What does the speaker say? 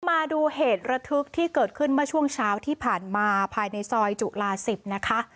มาดูเหตุระทึกที่เกิดขึ้นเมื่อช่วงเช้าที่ผ่านมาภายในซอยจุลา๑๐นะคะ